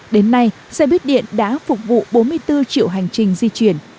đến nay xe buýt điện đã phục vụ bốn mươi bốn triệu hành trình di chuyển